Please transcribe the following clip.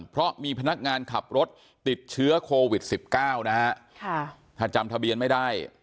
เพราะมีพนักงานขับรถติดเชื้อโควิด๑๙นะฮะถ้าจำทะเบียนไม่ได้